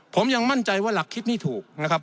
ผมยังมั่นใจว่าหลักคิดนี้ถูกนะครับ